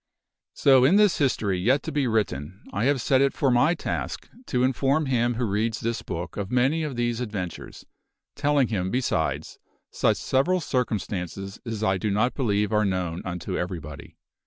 So in this history yet to be written, I have set it for my task to inform him who reads this book of many of these adventures, telling him, besides, such several circumstances as I do not believe are known unto everybody.